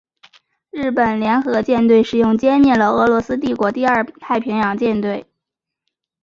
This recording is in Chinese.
日本联合舰队使用歼灭了俄罗斯帝国第二太平洋舰队。